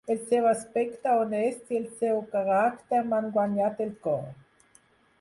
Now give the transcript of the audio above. El seu aspecte honest i el seu caràcter m'han guanyat el cor.